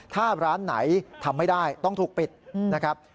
ถ้าร้านไหนทำไม่ได้ต้องถูกปิดนะครับ